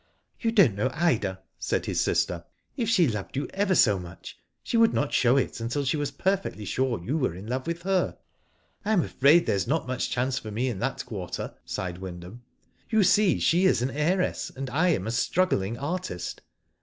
"You don't know Ida," said his sister. "If she loved you ever so much, she would not show it, until she was perfectly sure you were in love with her." Digitized byGoogk 194 y^HO DID ITf I am afraid there is not much chance for me in that quarter," sighed Wyndham. You see, she is an heiress, and I am a struggling artist.